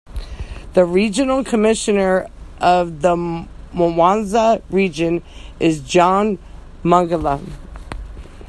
The regional commissioner of the Mwanza Region is John Mongella.